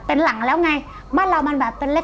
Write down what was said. เป็นหลังแล้วไงบ้านเรามันแบบเป็นเล็ก